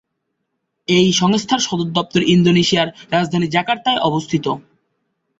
এই সংস্থার সদর দপ্তর ইন্দোনেশিয়ার রাজধানী জাকার্তায় অবস্থিত।